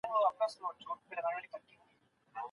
وزیر اکبرخان ځمکه بېرته ترلاسه کول غوښتل